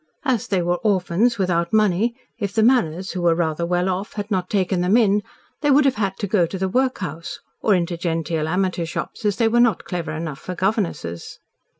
As they were orphans without money, if the Manners, who were rather well off, had not taken them in, they would have had to go to the workhouse, or into genteel amateur shops, as they were not clever enough for governesses.